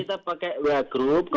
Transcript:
kita pakai wa group